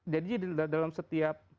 jadi dalam setiap